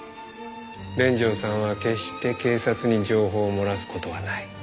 連城さんは決して警察に情報を漏らす事はない。